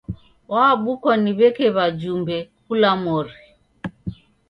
Wabukwa ni w'eke wajumbe kula mori.